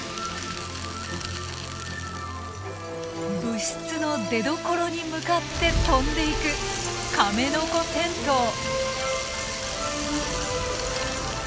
物質の出どころに向かって飛んでいくカメノコテントウ。